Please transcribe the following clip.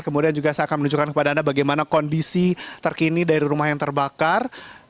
kemudian juga saya akan menunjukkan kepada anda bagaimana kondisi terkini dari rumah yang terbakar